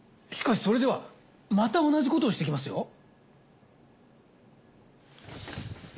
しかしそれではまた同じことをしてきますよ。